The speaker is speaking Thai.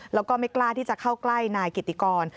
แล้วก็ไม่กล้าที่จะเข้าใกล้นายกิติกร